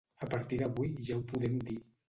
A partir d'avui ja ho podem dir.